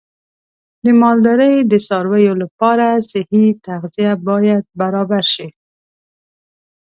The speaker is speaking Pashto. د مالدارۍ د څارویو لپاره صحي تغذیه باید برابر شي.